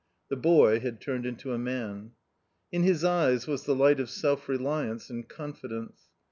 The boy had turned into a man. In his eyes was the light of self reliance and confidence.